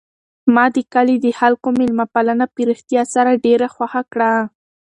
ما د کلي د خلکو مېلمه پالنه په رښتیا سره ډېره خوښه کړه.